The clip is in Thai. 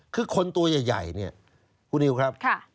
คือคนตัวใหญ่คุณนิวครับ